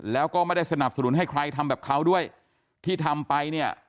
แล้วก็ไม่ได้สนับสนุนให้ใครทำแบบเขาด้วยที่ทำไปเนี่ย